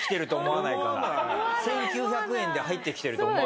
１９００円で入ってきてると思わないから。